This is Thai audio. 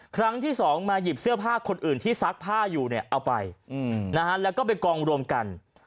ครั้งที่สองมาหยิบเสื้อผ้าคนอื่นที่ซักผ้าอยู่เนี่ยเอาไปแล้วก็ไปกองรวมกัน